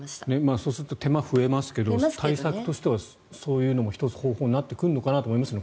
そうすると手間が増えますけど対策としてはそういうのも１つ方法になってくるのかなと思いますね。